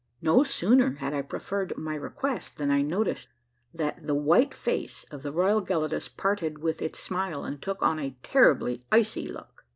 No sooner had I preferred my request, than I noticed that the white face of the royal Gelidus parted with its smile and took tui a terribly icy look.